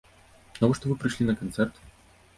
Навошта вы прыйшлі на канцэрт?